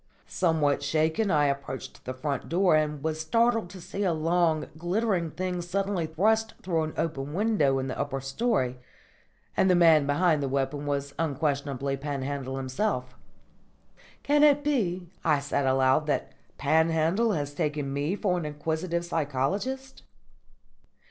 _" Somewhat shaken I approached the front door and was startled to see a long, glittering thing suddenly thrust through an open window in the upper storey; and the man behind the weapon was unquestionably Panhandle himself. "Can it be," I said aloud, "that Panhandle has taken me for an inquisitive psychologist?"